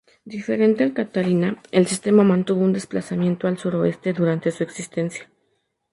Diferente al Catarina, el sistema mantuvo un desplazamiento al sureste durante su existencia.